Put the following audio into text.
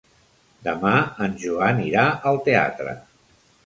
Demà en Joan irà al teatre.